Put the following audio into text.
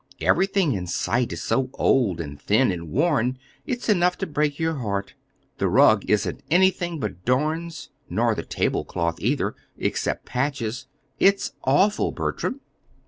Everything in sight is so old and thin and worn it's enough to break your heart. The rug isn't anything but darns, nor the tablecloth, either except patches. It's awful, Bertram!"